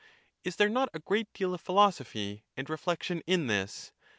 Is there not a great deal of philosophy and reflection in this?